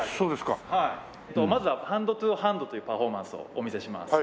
まずはハンドトゥハンドというパフォーマンスをお見せします。